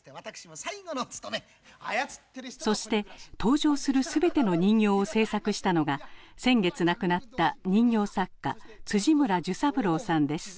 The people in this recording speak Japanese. そして登場する全ての人形を制作したのが先月亡くなった人形作家